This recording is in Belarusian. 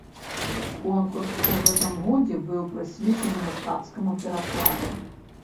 Конкурс у гэтым годзе быў прысвечаны мастацкаму перакладу.